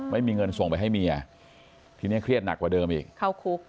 ไม่มีเงินส่งไปให้เมียทีนี้เครียดหนักกว่าเดิมอีกเข้าคุก